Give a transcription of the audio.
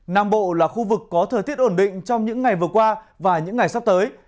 nam bộ là khu vực có thời tiết ổn định trong những ngày vừa qua và những ngày sắp tới